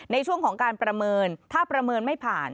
ในช่วงของการประเมินถ้าประเมินไม่ผ่าน